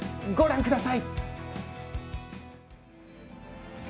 ご覧ください。